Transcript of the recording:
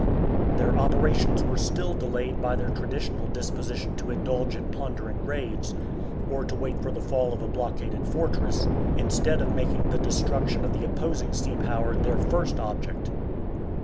Their operations were still delayed by their traditional disposition to indulge in plundering raids, or to wait for the fall of a blockaded fortress, instead of making the destruction of the opposing sea power their first object.